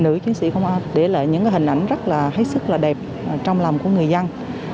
nữ chiến sĩ công an để lại những hình ảnh rất là hết sức là đẹp trong lòng của người dân